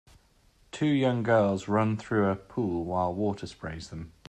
Two young girls run through a pool while water sprays them.